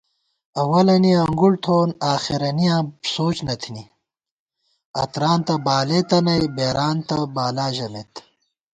اوَلَنیَہ انگُڑ تھوون آخېرَنیاں سوچ نہ تھنی اتَرانتہ بالېتہ نئ بېرانتہ بالا ژمېت